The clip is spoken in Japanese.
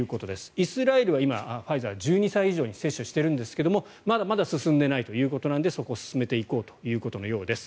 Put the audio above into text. イスラエルは今、ファイザー１２歳以上に接種しているんですがまだまだ進んでないということなのでそこを進めていこうということのようです。